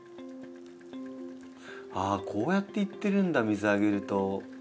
こうやって行ってるんだ水あげると。